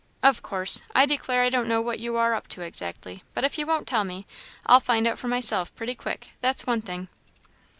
"Of course! I declare I don't know what you are up to exactly; but if you won't tell me, I'll find out for myself pretty quick that's one thing."